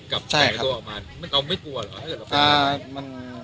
แล้วนายกลัวออกมาไม่กลัวหรอ